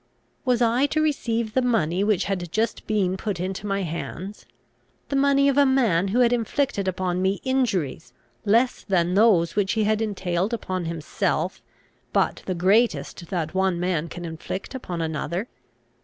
Was I to receive the money which had just been put into my hands? the money of a man who had inflicted upon me injuries, less than those which he had entailed upon himself, but the greatest that one man can inflict upon another?